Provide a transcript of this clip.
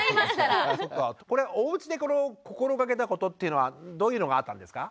これおうちで心がけたことっていうのはどういうのがあったんですか？